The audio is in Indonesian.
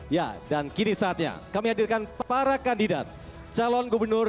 ya dan kini saatnya kami hadirkan para kandidat calon gubernur